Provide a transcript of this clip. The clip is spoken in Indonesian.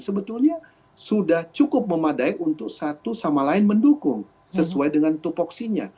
sebetulnya sudah cukup memadai untuk satu sama lain mendukung sesuai dengan tupoksinya